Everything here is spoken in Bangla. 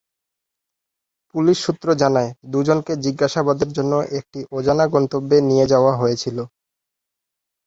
পুলিশ সূত্র জানায়, দুজনকে জিজ্ঞাসাবাদের জন্য একটি অজানা গন্তব্যে নিয়ে যাওয়া হয়েছিল।